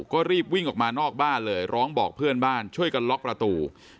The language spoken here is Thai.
ก็รีบวิ่งออกมานอกบ้านเลยร้องบอกเพื่อนบ้านช่วยกันล็อกประตู